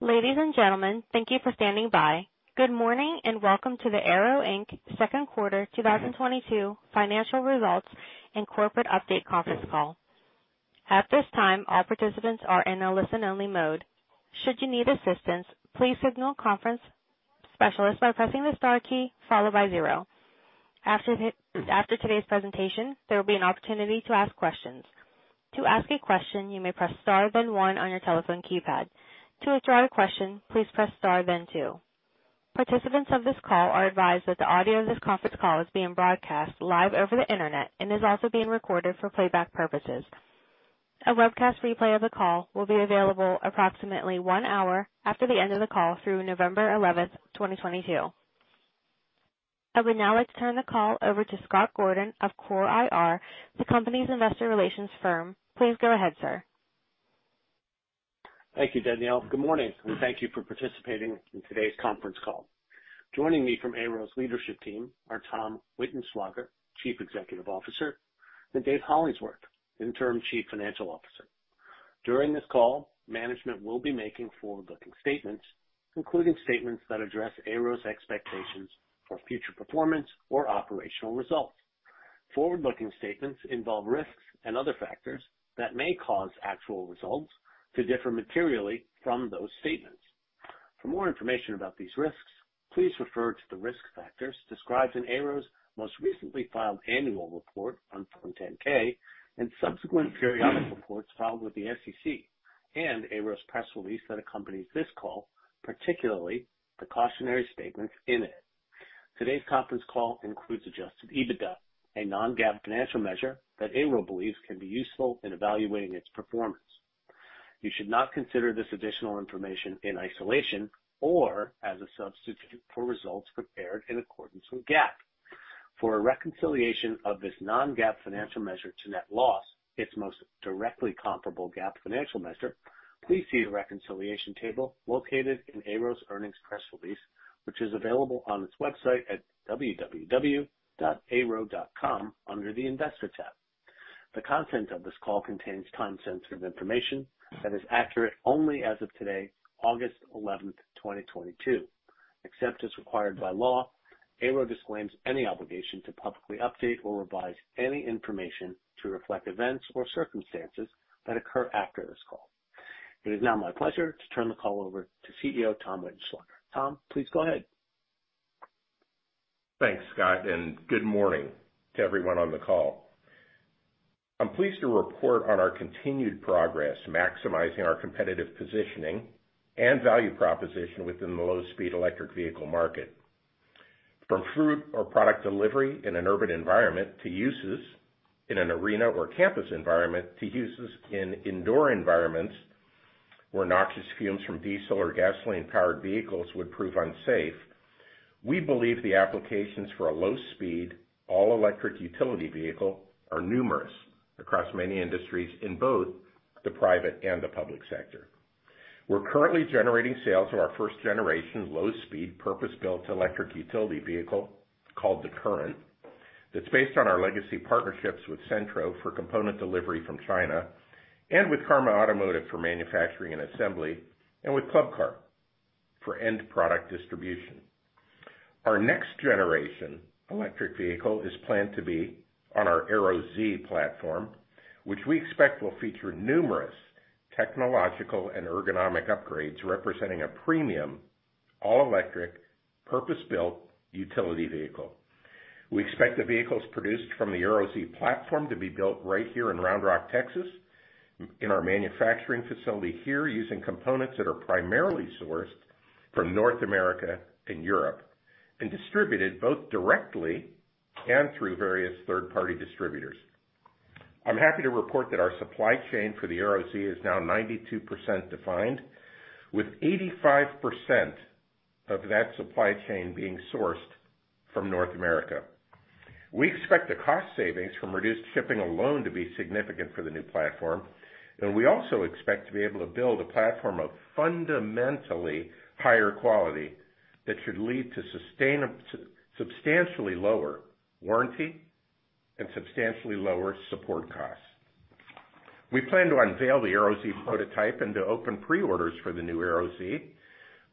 Ladies and gentlemen, thank you for standing by. Good morning, and welcome to the AYRO, Inc.'s Second Quarter 2022 Financial Results and Corporate Update Conference Call. At this time, all participants are in a listen-only mode. Should you need assistance, please signal a conference specialist by pressing the star key followed by zero. After today's presentation, there will be an opportunity to ask questions. To ask a question, you may press star then one on your telephone keypad. To withdraw a question, please press star then two. Participants of this call are advised that the audio of this conference call is being broadcast live over the Internet and is also being recorded for playback purposes. A webcast replay of the call will be available approximately one hour after the end of the call through November 11, 2022. I would now like to turn the call over to Scott Gordon of CORE IR, the company's investor relations firm. Please go ahead, sir. Thank you, Danielle. Good morning, and thank you for participating in today's conference call. Joining me from AYRO's leadership team are Tom Wittenschlaeger, Chief Executive Officer, and Dave Hollingsworth, Interim Chief Financial Officer. During this call, management will be making forward-looking statements, including AYRO's expectations for future performance or operational results. Forward-looking statements involve risks and other factors that may cause actual results to differ materially from those statements. For more information about these risks, please refer to the risk AYRO's most recently filed annual report on Form 10-K and subsequent periodic reports filed with AYRO's press release that accompanies this call, particularly the cautionary statements in it. Today's conference call includes adjusted EBITDA, a non-GAAP AYRO believes can be useful in evaluating its performance. You should not consider this additional information in isolation or as a substitute for results prepared in accordance with GAAP. For a reconciliation of this non-GAAP financial measure to net loss, its most directly comparable GAAP financial measure, please see the reconciliation table located in AYRO's earnings press release, which is available on its website at www.ayro.com under the Investor tab. The content of this call contains time-sensitive information that is accurate only as of today, August eleventh, twenty twenty-two. Except as required by law, AYRO disclaims any obligation to publicly update or revise any information to reflect events or circumstances that occur after this call. It is now my pleasure to turn the call over to CEO, Tom Wittenschlaeger. Tom, please go ahead. Thanks, Scott, and good morning to everyone on the call. I'm pleased to report on our continued progress maximizing our competitive positioning and value proposition within the low-speed electric vehicle market. From freight or product delivery in an urban environment, to uses in an arena or campus environment, to uses in indoor environments where noxious fumes from diesel or gasoline-powered vehicles would prove unsafe, we believe the applications for a low-speed, all-electric utility vehicle are numerous across many industries in both the private and the public sector. We're currently generating sales of our first-generation low-speed, purpose-built electric utility vehicle called The Current that's based on our legacy partnerships with Cenntro for component delivery from China and with Karma Automotive for manufacturing and assembly, and with Club Car for end product distribution. Our next generation electric vehicle is planned to be on our AYRO Z platform, which we expect will feature numerous technological and ergonomic upgrades representing a premium all-electric, purpose-built utility vehicle. We expect the vehicles produced from the AYRO Z platform to be built right here in Round Rock, Texas, in our manufacturing facility here using components that are primarily sourced from North America and Europe and distributed both directly and through various third-party distributors. I'm happy to report that our supply chain for the AYRO Z is now 92% defined, with 85% of that supply chain being sourced from North America. We expect the cost savings from reduced shipping alone to be significant for the new platform, and we also expect to be able to build a platform of fundamentally higher quality that should lead to substantially lower warranty and substantially lower support costs. We plan to unveil the AYRO Z prototype and to open pre-orders for the new AYRO Z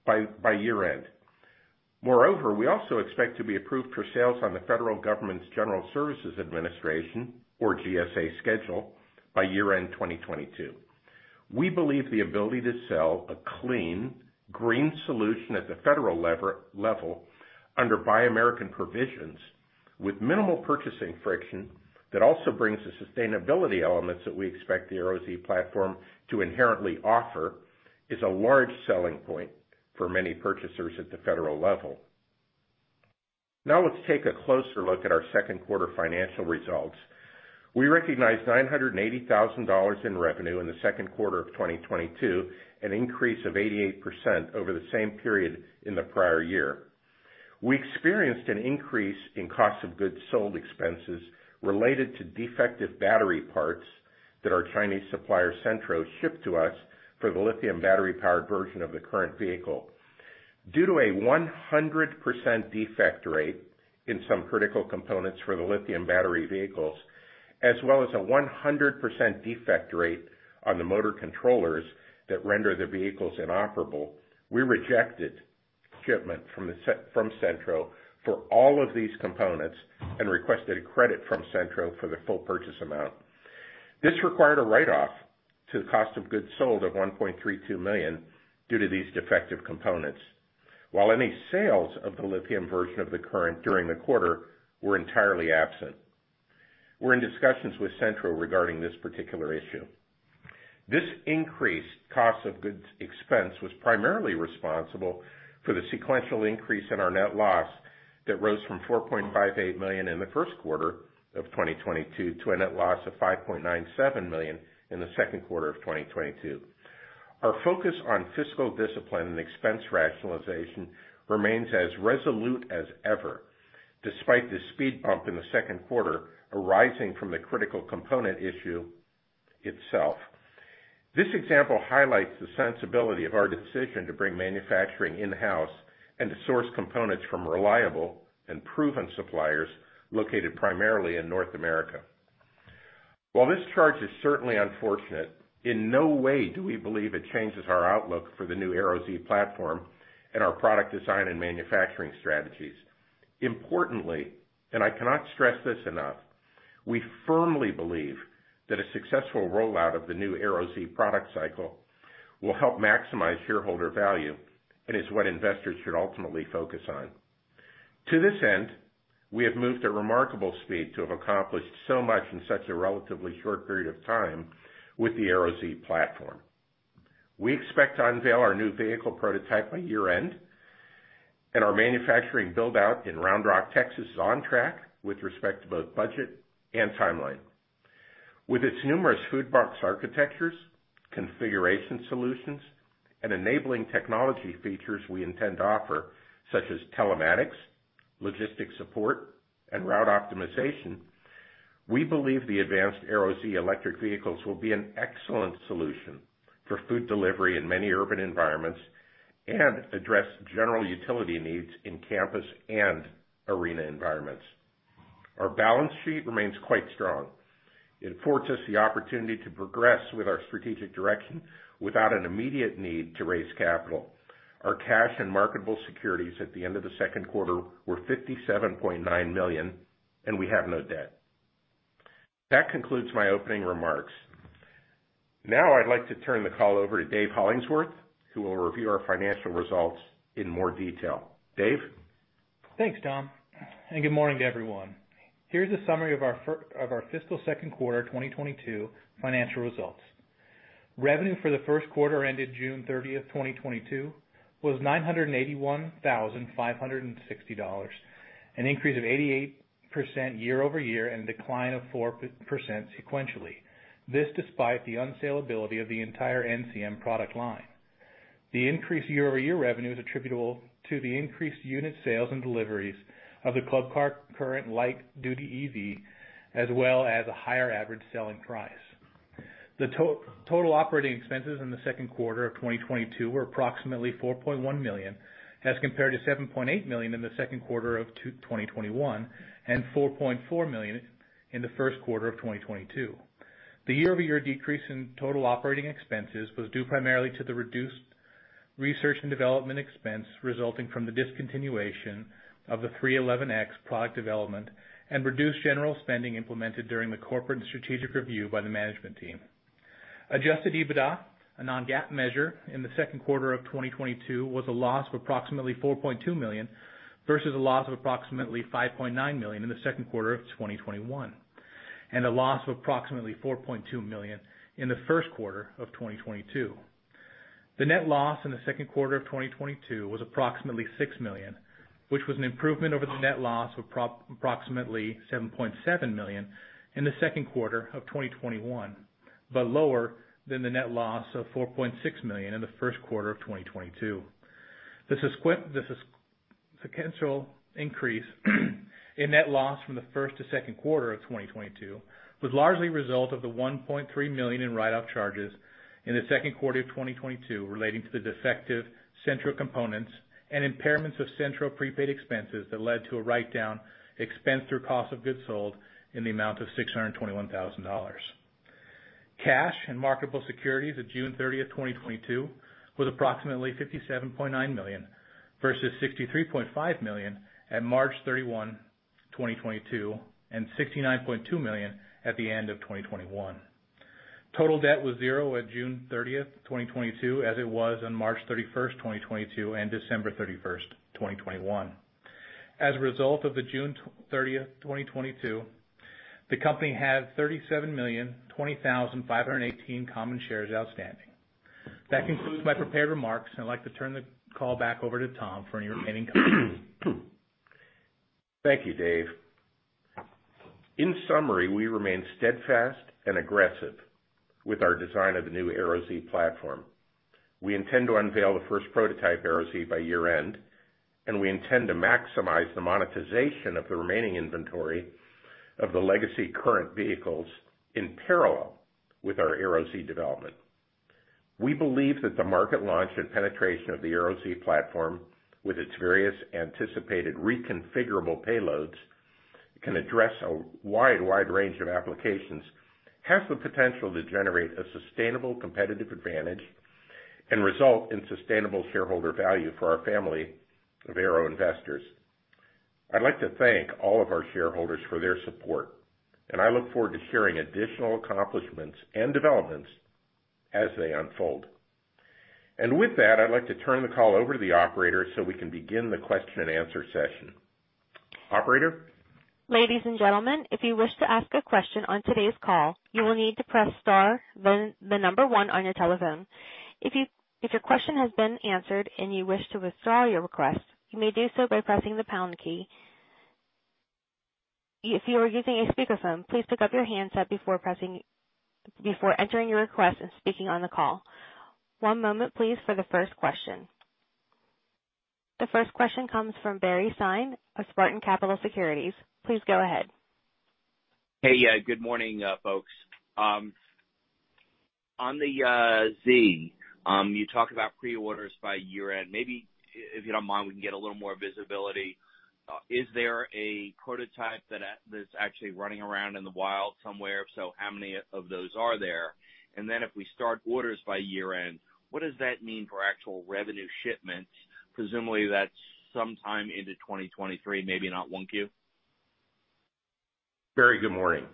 by year-end. Moreover, we also expect to be approved for sales on the federal government's General Services Administration or GSA schedule by year-end 2022. We believe the ability to sell a clean, green solution at the federal level under Buy American provisions with minimal purchasing friction that also brings the sustainability elements that we expect the AYRO Z platform to inherently offer is a large selling point for many purchasers at the federal level. Now let's take a closer look at our second quarter financial results. We recognized $980,000 in revenue in the second quarter of 2022, an increase of 88% over the same period in the prior year. We experienced an increase in cost of goods sold expenses related to defective battery parts that our Chinese supplier, Centro, shipped to us for the lithium battery-powered version of the Current vehicle. Due to a 100% defect rate in some critical components for the lithium battery vehicles, as well as a 100% defect rate on the motor controllers that render the vehicles inoperable, we rejected shipment from Centro for all of these components and requested a credit from Centro for the full purchase amount. This required a write-off to the cost of goods sold of $1.32 million due to these defective components. While any sales of the lithium version of the Current during the quarter were entirely absent. We're in discussions with Centro regarding this particular issue. This increased cost of goods expense was primarily responsible for the sequential increase in our net loss that rose from $4.58 million in the first quarter of 2022 to a net loss of $5.97 million in the second quarter of 2022. Our focus on fiscal discipline and expense rationalization remains as resolute as ever, despite the speed bump in the second quarter arising from the critical component issue itself. This example highlights the sensibility of our decision to bring manufacturing in-house and to source components from reliable and proven suppliers located primarily in North America. While this charge is certainly unfortunate, in no way do we believe it changes our outlook for the new AYRO Z platform and our product design and manufacturing strategies. Importantly, I cannot stress this enough, we firmly believe that a successful rollout of the new AYRO Z product cycle will help maximize shareholder value and is what investors should ultimately focus on. To this end, we have moved at remarkable speed to have accomplished so much in such a relatively short period of time with the AYRO Z platform. We expect to unveil our new vehicle prototype by year-end, and our manufacturing build-out in Round Rock, Texas is on track with respect to both budget and timeline. With its numerous food box architectures, configuration solutions, and enabling technology features we intend to offer, such as telematics, logistics support, and route optimization, we believe the advanced AYRO Z electric vehicles will be an excellent solution for food delivery in many urban environments and address general utility needs in campus and arena environments. Our balance sheet remains quite strong. It affords us the opportunity to progress with our strategic direction without an immediate need to raise capital. Our cash and marketable securities at the end of the second quarter were $57.9 million, and we have no debt. That concludes my opening remarks. Now I'd like to turn the call over to David Hollingsworth, who will review our financial results in more detail. David? Thanks, Tom, and good morning to everyone. Here's a summary of our fiscal second quarter 2022 financial results. Revenue for the first quarter ended June 30, 2022 was $981,560, an increase of 88% year-over-year and a decline of 4% sequentially. This despite the unsaleability of the entire NCM product line. The increase year-over-year revenue is attributable to the increased unit sales and deliveries of the Club Car Current light-duty EV, as well as a higher average selling price. The total operating expenses in the second quarter of 2022 were approximately $4.1 million, as compared to $7.8 million in the second quarter of 2021 and $4.4 million in the first quarter of 2022. The year-over-year decrease in total operating expenses was due primarily to the reduced research and development expense resulting from the discontinuation of the 311X product development and reduced general spending implemented during the corporate and strategic review by the management team. Adjusted EBITDA, a non-GAAP measure, in the second quarter of 2022 was a loss of approximately $4.2 million versus a loss of approximately $5.9 million in the second quarter of 2021, and a loss of approximately $4.2 million in the first quarter of 2022. The net loss in the second quarter of 2022 was approximately $6 million, which was an improvement over the net loss of approximately $7.7 million in the second quarter of 2021, but lower than the net loss of $4.6 million in the first quarter of 2022. The sequential increase in net loss from the first to second quarter of 2022 was largely a result of the $1.3 million in write-down charges in the second quarter of 2022 relating to the defective Centro components and impairments of Centro prepaid expenses that led to a write-down expense through cost of goods sold in the amount of $621,000. Cash and marketable securities at June 30, 2022 was approximately $57.9 million versus $63.5 million at March 31, 2022, and $69.2 million at the end of 2021. Total debt was $0 at June 30, 2022, as it was on March 31, 2022, and December 31, 2021. As of June 30, 2022, the company had 37,020,518 common shares outstanding. That concludes my prepared remarks. I'd like to turn the call back over to Tom for any remaining comments. Thank you, Dave. In summary, we remain steadfast and aggressive with our design of the new AYRO Z platform. We intend to unveil the first prototype AYRO Z by year-end. We intend to maximize the monetization of the remaining inventory of the legacy current vehicles in parallel with our AYRO-Z development. We believe that the market launch and penetration of the AYRO-Z platform, with its various anticipated reconfigurable payloads, can address a wide range of applications, has the potential to generate a sustainable competitive advantage and result in sustainable shareholder value for our family of AYRO investors. I'd like to thank all of our shareholders for their support, and I look forward to sharing additional accomplishments and developments as they unfold. With that, I'd like to turn the call over to the operator so we can begin the question-and-answer session. Operator? Ladies and gentlemen, if you wish to ask a question on today's call, you will need to press star then the number one on your telephone. If your question has been answered and you wish to withdraw your request, you may do so by pressing the pound key. If you are using a speakerphone, please pick up your handset before entering your request and speaking on the call. One moment please for the first question. The first question comes from Barry Sine of Spartan Capital Securities. Please go ahead. Hey, good morning, folks. On the Z, you talk about pre-orders by year-end. Maybe if you don't mind, we can get a little more visibility. Is there a prototype that's actually running around in the wild somewhere? If so, how many of those are there? If we start orders by year-end, what does that mean for actual revenue shipments? Presumably, that's sometime into 2023, maybe not 1Q. Barry, good morning.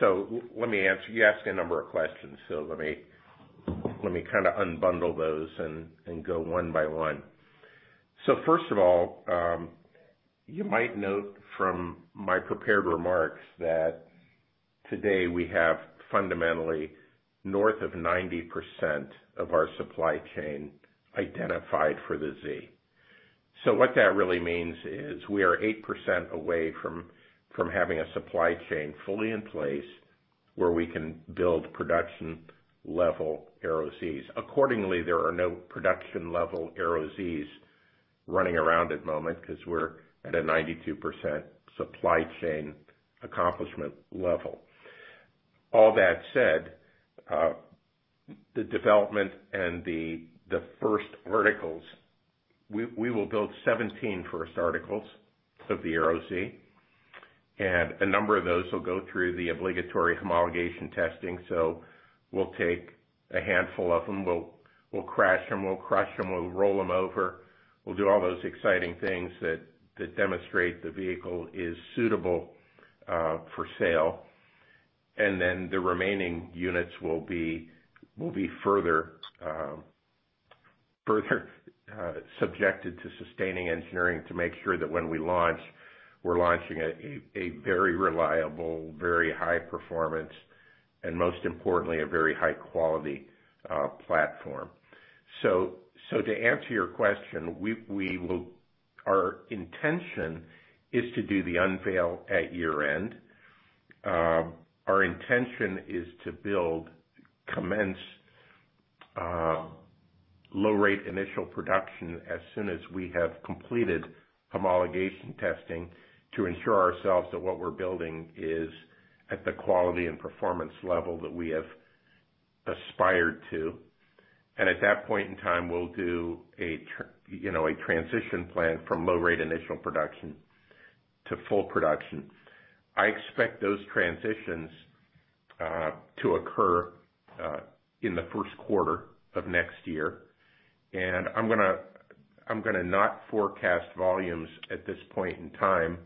Let me answer. You asked a number of questions. Let me kinda unbundle those and go one by one. First of all, you might note from my prepared remarks that today we have fundamentally north of 90% of our supply chain identified for the Z. What that really means is we are 8% away from having a supply chain fully in place where we can build production level AYRO Z's. Accordingly, there are no production level AYRO Z's running around at the moment because we're at a 92% supply chain accomplishment level. All that said, the development and the first articles, we will build 17 first articles of the AYRO Z, and a number of those will go through the obligatory homologation testing. We'll take a handful of them, we'll crash them, we'll crush them, we'll roll them over. We'll do all those exciting things that demonstrate the vehicle is suitable for sale. Then the remaining units will be further subjected to sustaining engineering to make sure that when we launch, we're launching a very reliable, very high performance and most importantly, a very high quality platform. To answer your question, we will. Our intention is to do the unveil at year-end. Our intention is to commence Low-Rate Initial Production as soon as we have completed homologation testing to ensure ourselves that what we're building is at the quality and performance level that we have aspired to. At that point in time, we'll do, you know, a transition plan from Low-Rate Initial Production to full production. I expect those transitions to occur in the first quarter of next year. I'm gonna not forecast volumes at this point in time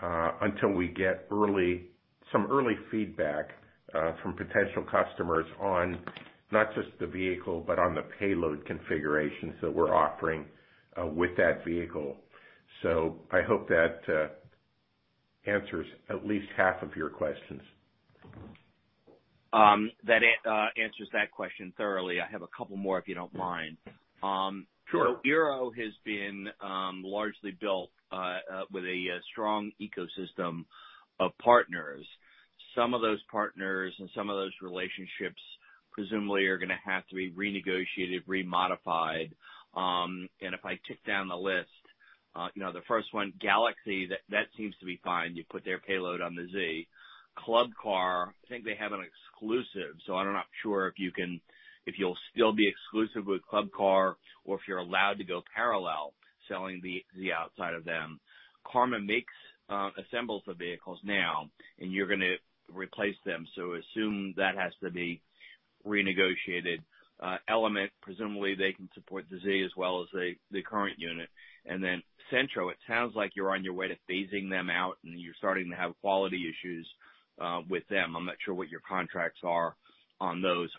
until we get some early feedback from potential customers on not just the vehicle, but on the payload configurations that we're offering with that vehicle. I hope that answers at least half of your questions. That answers that question thoroughly. I have a couple more, if you don't mind. Sure. Arrow has been largely built with a strong ecosystem of partners. Some of those partners and some of those relationships presumably are gonna have to be renegotiated, remodified. If I tick down the list, you know, the first one, Galaxy, that seems to be fine. You put their payload on the Z. Club Car, I think they have an exclusive, so I'm not sure if you'll still be exclusive with Club Car or if you're allowed to go parallel selling the Z outside of them. Karma makes assembles the vehicles now and you're gonna replace them, so assume that has to be renegotiated. Element, presumably they can support the Z as well as the Current unit. Centro, it sounds like you're on your way to phasing them out, and you're starting to have quality issues with them. I'm not sure what your contracts are on those.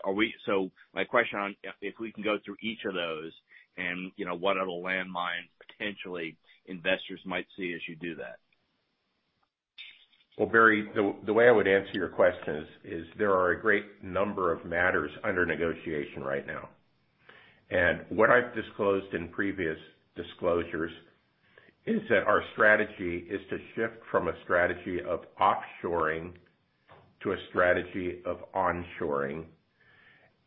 My question on if we can go through each of those and, you know, what other landmine potentially investors might see as you do that. Well, Barry, the way I would answer your question is there are a great number of matters under negotiation right now. What I've disclosed in previous disclosures is that our strategy is to shift from a strategy of offshoring to a strategy of onshoring,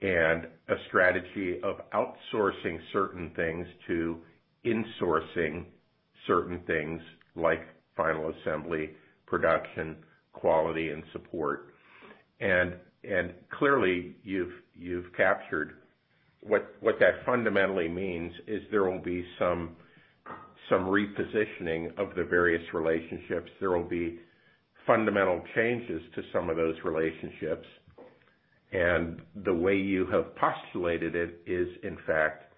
and a strategy of outsourcing certain things to insourcing certain things like final assembly, production, quality, and support. Clearly you've captured what that fundamentally means is there will be some repositioning of the various relationships. There will be fundamental changes to some of those relationships. The way you have postulated it is, in fact,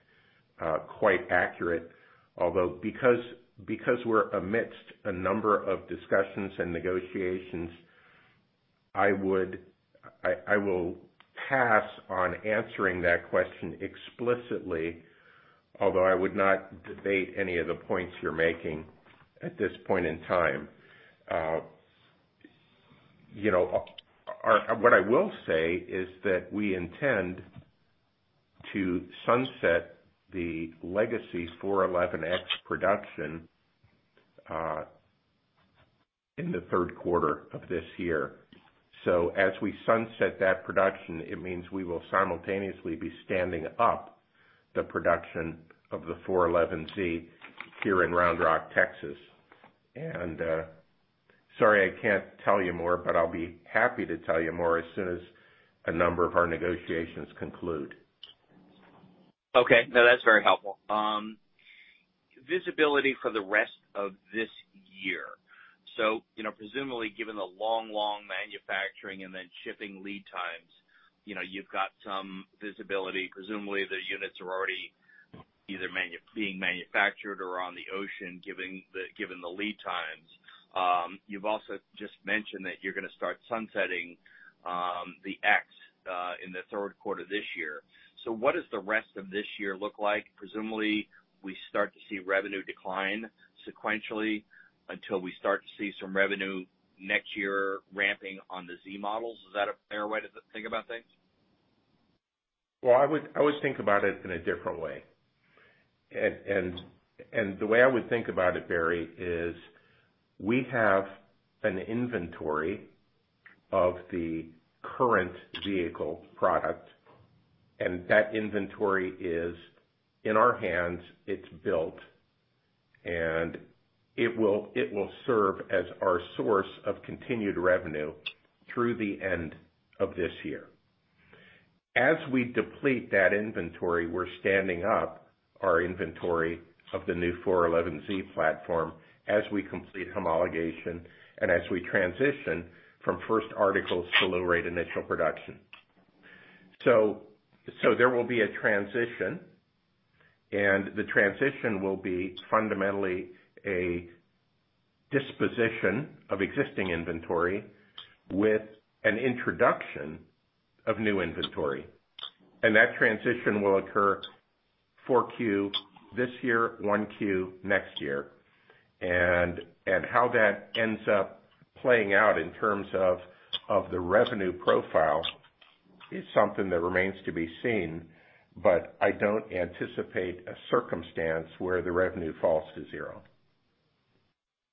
quite accurate. Although because we're amidst a number of discussions and negotiations, I will pass on answering that question explicitly, although I would not debate any of the points you're making at this point in time. You know, what I will say is that we intend to sunset the legacy 411X production in the third quarter of this year. As we sunset that production, it means we will simultaneously be standing up the production of the 411Z here in Round Rock, Texas. Sorry, I can't tell you more, but I'll be happy to tell you more as soon as a number of our negotiations conclude. Okay. No, that's very helpful. Visibility for the rest of this year. You know, presumably given the long manufacturing and then shipping lead times, you know, you've got some visibility. Presumably, the units are already either being manufactured or on the ocean, given the lead times. You've also just mentioned that you're gonna start sunsetting the X in the third quarter this year. What does the rest of this year look like? Presumably, we start to see revenue decline sequentially until we start to see some revenue next year ramping on the Z models. Is that a fair way to think about things? Well, I would, I always think about it in a different way. The way I would think about it, Barry, is we have an inventory of the current vehicle product, and that inventory is in our hands. It's built, and it will serve as our source of continued revenue through the end of this year. As we deplete that inventory, we're standing up our inventory of the new Club Car 411 platform as we complete homologation and as we transition from first articles to low-rate initial production. There will be a transition, and the transition will be fundamentally a disposition of existing inventory with an introduction of new inventory. That transition will occur 4Q this year, 1Q next year. How that ends up playing out in terms of the revenue profile is something that remains to be seen, but I don't anticipate a circumstance where the revenue falls to zero.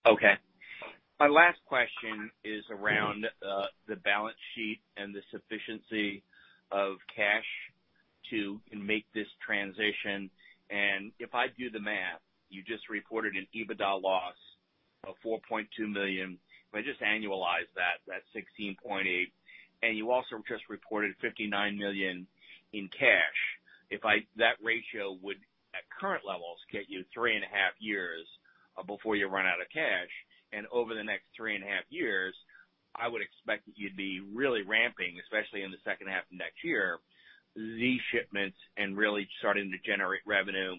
Okay. My last question is around the balance sheet and the sufficiency of cash to make this transition. If I do the math, you just reported an EBITDA loss of $4.2 million. If I just annualize that's $16.8 million. You also just reported $59 million in cash. That ratio would, at current levels, get you three and a half years before you run out of cash. Over the next three and a half years, I would expect that you'd be really ramping, especially in the second half of next year, Z shipments and really starting to generate revenue.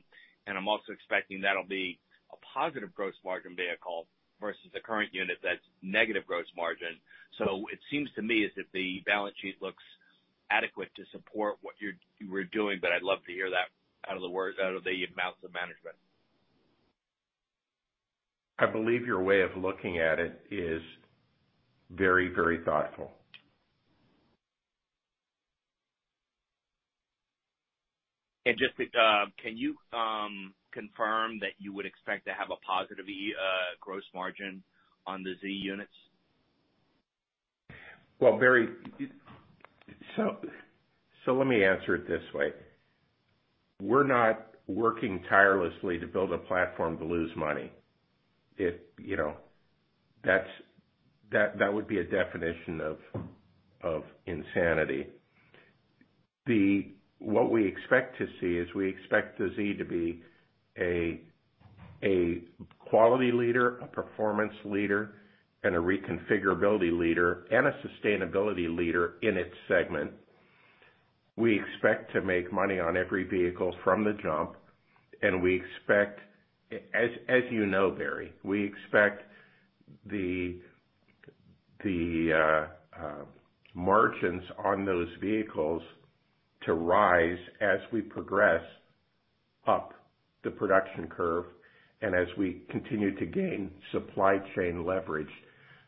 I'm also expecting that'll be a positive gross margin vehicle versus the current unit that's negative gross margin.It seems to me as if the balance sheet looks adequate to support what we're doing, but I'd love to hear that out of the mouths of management. I believe your way of looking at it is very, very thoughtful. Just to, can you confirm that you would expect to have a positive gross margin on the Z units? Barry, let me answer it this way. We're not working tirelessly to build a platform to lose money. You know, that would be a definition of insanity. What we expect to see is we expect the Z to be a quality leader, a performance leader, and a reconfigurability leader, and a sustainability leader in its segment. We expect to make money on every vehicle from the jump, and we expect, as you know, Barry, we expect the margins on those vehicles to rise as we progress up the production curve and as we continue to gain supply chain leverage.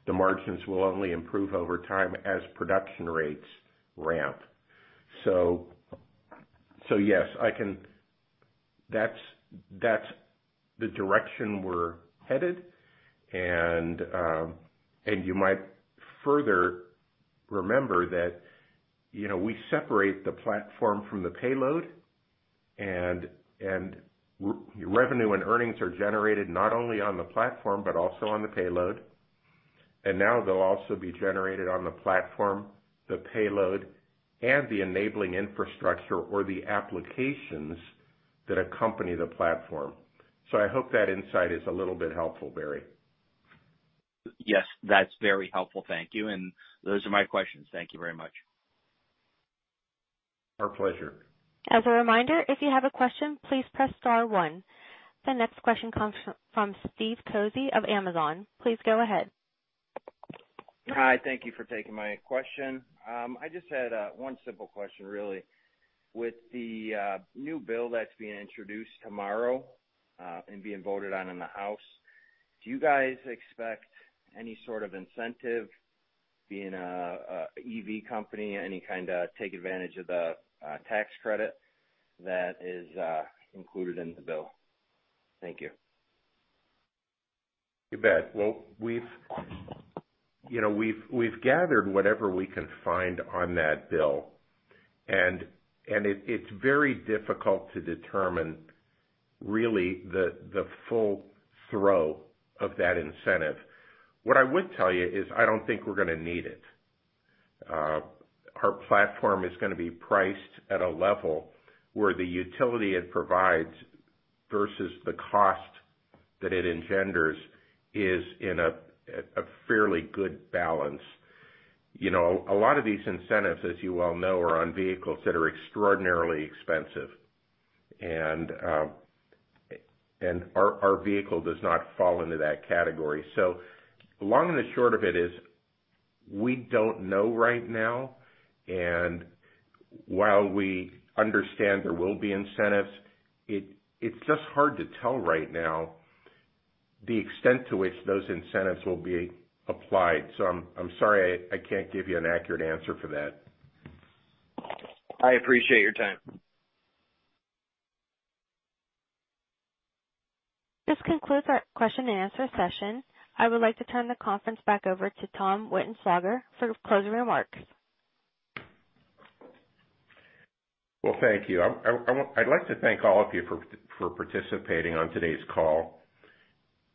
The margins will only improve over time as production rates ramp. Yes, that's the direction we're headed. You might further remember that, you know, we separate the platform from the payload. Revenue and earnings are generated not only on the platform but also on the payload. Now they'll also be generated on the platform, the payload, and the enabling infrastructure or the applications that accompany the platform. I hope that insight is a little bit helpful, Barry. Yes, that's very helpful. Thank you. Those are my questions. Thank you very much. Our pleasure. As a reminder, if you have a question, please press star one. The next question comes from Steve Cozzie of Amazon. Please go ahead. Hi. Thank you for taking my question. I just had one simple question really. With the new bill that's being introduced tomorrow, and being voted on in the House, do you guys expect any sort of incentive being a EV company? Any kind to take advantage of the tax credit that is included in the bill? Thank you. You bet. Well, you know, we've gathered whatever we can find on that bill, and it's very difficult to determine really the full throe of that incentive. What I would tell you is I don't think we're gonna need it. Our platform is gonna be priced at a level where the utility it provides versus the cost that it engenders is in a fairly good balance. You know, a lot of these incentives, as you well know, are on vehicles that are extraordinarily expensive. Our vehicle does not fall into that category. Long and the short of it is we don't know right now. While we understand there will be incentives, it's just hard to tell right now the extent to which those incentives will be applied. I'm sorry I can't give you an accurate answer for that. I appreciate your time. This concludes our question and answer session. I would like to turn the conference back over to Tom Wittenschlaeger for closing remarks. Well, thank you. I'd like to thank all of you for participating on today's call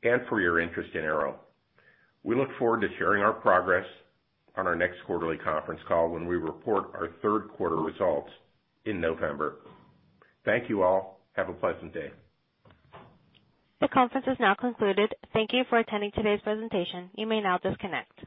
and for your interest in Arrow. We look forward to sharing our progress on our next quarterly conference call when we report our third quarter results in November. Thank you all. Have a pleasant day. The conference has now concluded. Thank you for attending today's presentation. You may now disconnect.